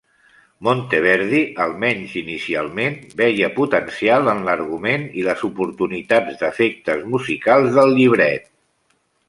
Monteverdi, almenys inicialment, veia potencial en l'argument i les oportunitats d'efectes musicals del llibret.